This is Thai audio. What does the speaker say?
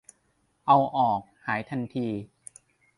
เอาออก หายทันที